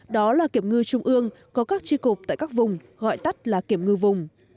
đó là kiểm ngư trung ương có các tri cục tại các vùng gọi tắt là kiểm ngư vùng